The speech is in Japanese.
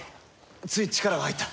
つい力が入った。